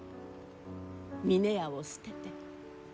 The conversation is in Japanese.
峰屋を捨てて。